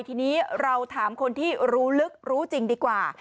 ทีนี้เราถามคนที่รู้ลึกรู้จริงดีกว่า